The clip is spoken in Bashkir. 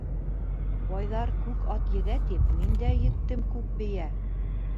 Байҙар күк ат егә тип, мин дә ектем күк бейә.